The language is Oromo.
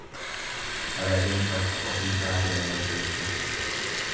Sarageen bakka ofii kaate nama teessifti.